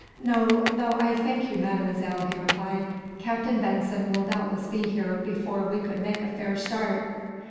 "No, though I thank you, Mademoiselle," he replied. "Captain Benson will doubtless be here before we could make a fair start."